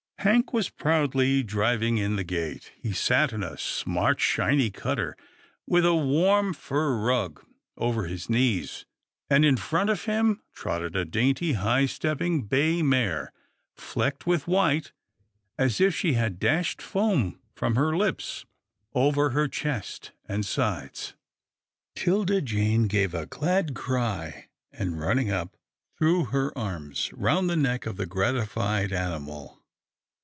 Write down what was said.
Hank was proudly driving in the gate. He sat in a smart, shiny cutter, with a warm fur rug over THE ARRIVAL OF MILKWEED 33 his knees, and in front of him trotted a dainty, high stepping, bay mare, flecked with white, as if she had dashed foam from her Hps over her chest and sides. 'Tilda Jane gave a glad cry, and, running up, threw her arms round the neck of the gratified animal.